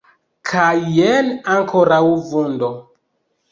Kaj, jen, ankoraŭ vundo.